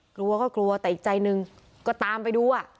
กลัวก็กลัวแต่อีกใจหนึ่งก็ตามไปดูอ่ะ